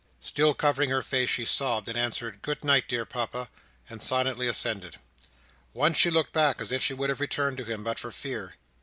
Still covering her face, she sobbed, and answered "Good night, dear Papa," and silently ascended. Once she looked back as if she would have returned to him, but for fear.